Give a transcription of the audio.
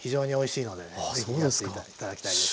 ぜひやって頂きたいです。